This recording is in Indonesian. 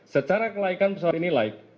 secara kelaikan pesawat ini naik